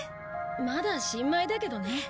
まだ新米だけどね。